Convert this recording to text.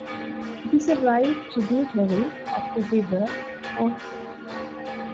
It is a right tributary of the river Ourthe.